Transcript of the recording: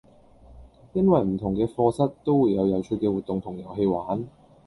因為唔同嘅課室都會有有趣嘅活動同遊戲玩